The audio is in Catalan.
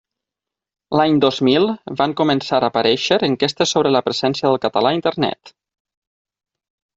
L'any dos mi van començar a aparèixer enquestes sobre la presència del català a Internet.